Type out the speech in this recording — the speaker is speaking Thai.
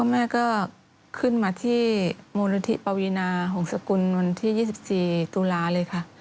แม่ก็ขึ้นมาที่มณฑิปวินาห์ของสกุลวันที่๒๔ตุลาค์เลยค่ะ